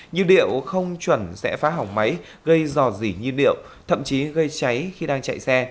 nhiêu điệu không chuẩn sẽ phá hỏng máy gây giò rỉ nhiêu điệu thậm chí gây cháy khi đang chạy xe